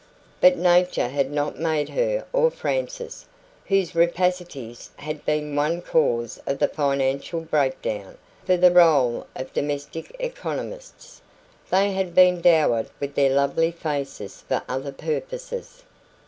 But Nature had not made her or Frances whose rapacities had been one cause of the financial breakdown for the role of domestic economists; they had been dowered with their lovely faces for other purposes.